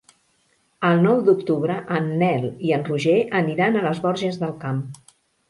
El nou d'octubre en Nel i en Roger aniran a les Borges del Camp.